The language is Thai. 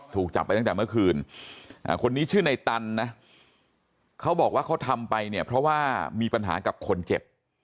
ถูกจับไปตั้งแต่เมื่อคืนคนนี้ชื่อในตันนะเขาบอกว่าเขาทำไปเนี่ยเพราะว่ามีปัญหากับคนเจ็บ